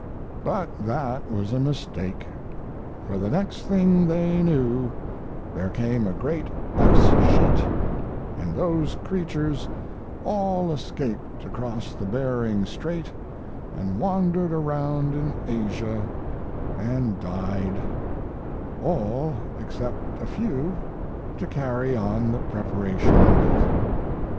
But that was a mistake, for the next thing they knew there came a great ice sheet, and those creatures all escaped across the Bering Strait and wandered around in Asia and died, all except a few to carry on the preparation with.